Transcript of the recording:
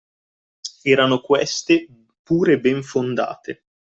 Erano queste pure ben fondate